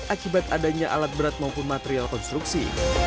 akibat adanya alat berat maupun material konstruksi